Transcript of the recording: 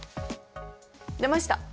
出ました。